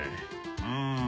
うん